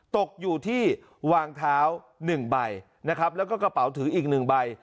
ตกอยู่ที่วางเท้า๑ใบนะครับแล้วก็กระเป๋าถืออีก๑ใบ